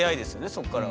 そこからは。